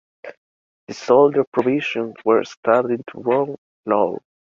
The soldier’s provisions were starting to run low.